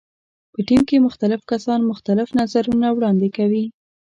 په ټیم کې مختلف کسان مختلف نظرونه وړاندې کوي.